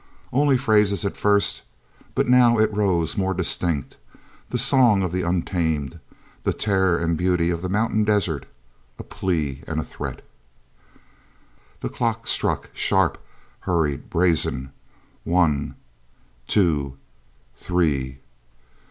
Only phrases at first, but now it rose more distinct, the song of the untamed; the terror and beauty of the mountain desert; a plea and a threat. The clock struck, sharp, hurried, brazen one, two, three!